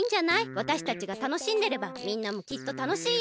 わたしたちがたのしんでればみんなもきっとたのしいよ。